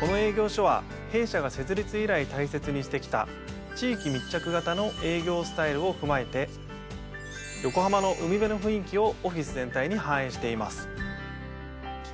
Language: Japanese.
この営業所は弊社が設立以来大切にして来た地域密着型の営業スタイルを踏まえて横浜の海辺の雰囲気をオフィス全体に反映しています。